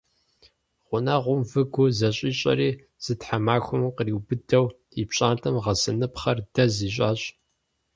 Гъунэгъум выгур зэщӀищӀэри зы тхьэмахуэм къриубыдэу и пщӀантӀэм гъэсыныпхъэр дэз ищӀащ.